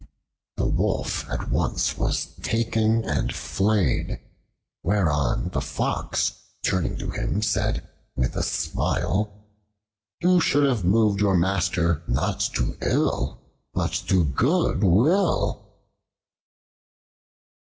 The Wolf was at once taken and flayed; whereon the Fox, turning to him, said with a smile, "You should have moved your master not to ill, but to good, will."